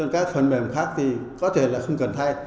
các phần mềm khác thì có thể là không cần thay